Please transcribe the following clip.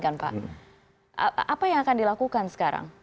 apa yang akan dilakukan sekarang